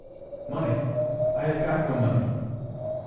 "Money! I have got no money."